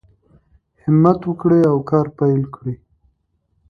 همت وکړئ او کار پیل کړئ.